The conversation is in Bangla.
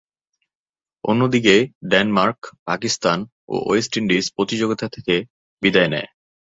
অন্যদিকে, ডেনমার্ক, পাকিস্তান ও ওয়েস্ট ইন্ডিজ প্রতিযোগিতা থেকে বিদায় নেয়।